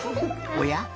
おや？